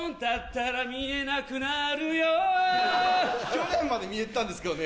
去年まで見えてたんですけどね。